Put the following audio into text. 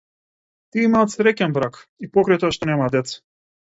Тие имаат среќен брак, и покрај тоа што немаат деца.